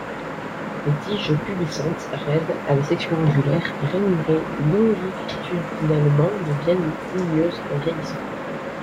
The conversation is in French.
Les tiges pubescentes, raides, à section angulaire, rainurées longitudinalement, deviennent ligneuses en vieillissant.